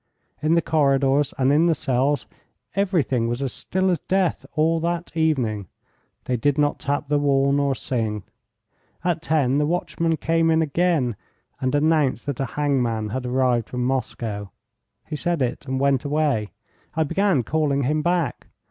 In the corridors and in the cells everything was as still as death all that evening. They did not tap the wall nor sing. At ten the watchman came again and announced that a hangman had arrived from Moscow. He said it and went away. I began calling him back.